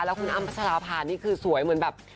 แล้วคุณอ้ำพัชราภานี่คือสวยเหมือนแบบ